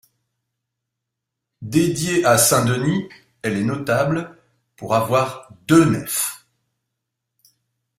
Dédiée à saint Denis, elle est notable pour avoir deux nefs.